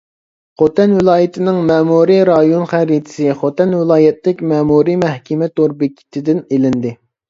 خوتەن ۋىلايىتىنىڭ مەمۇرىي رايون خەرىتىسى، خوتەن ۋىلايەتلىك مەمۇرىي مەھكىمە تور بېكىتىدىن ئېلىندى .